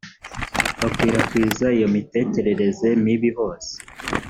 bakwirakwiza iyo mitekerereze mibi hose